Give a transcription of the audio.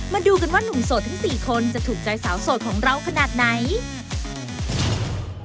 มาดูกันว่าหนุ่มโสดทั้งสี่คนจะถูกใจสาวโสดของเราขนาดไหน